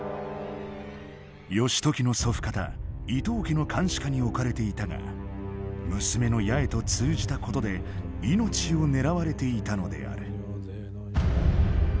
義時の祖父方伊東家の監視下に置かれていたが娘の八重と通じたことで命を狙われていたのである。